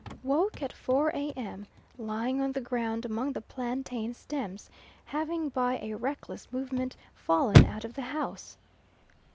Woke at 4 A.M. lying on the ground among the plantain stems, having by a reckless movement fallen out of the house.